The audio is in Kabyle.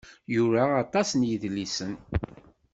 Yura aṭas n yedlisen.